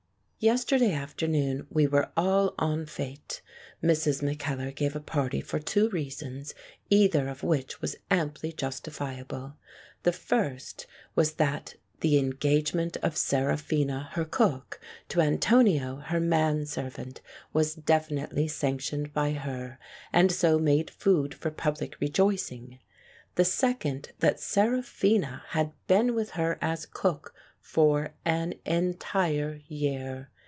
Yesterday afternoon we were all en fete; Mrs. Mackellar gave a party for two reasons, either of which was amply justifiable. The first was that the engagement of Seraphina her cook to Antonio her man servant was definitely sanctioned by her, and so made food for public rejoicing ; the second that Sera phina had been with her as cook for an entire year.